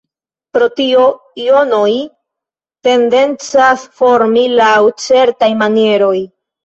Pro tio, jonoj tendencas formi laŭ certaj manieroj.